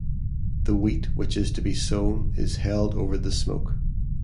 The wheat which is to be sown is held over the smoke.